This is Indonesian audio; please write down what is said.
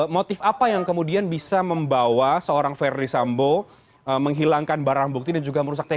motif apa yang kemudian bisa membawa seorang verdi sambo menghilangkan barang bukti dan juga merusak teknis